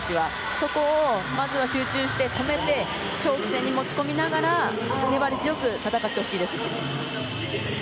そこを、まずは集中して、ためて長期戦に持ち込みながら粘り強く戦ってほしいです。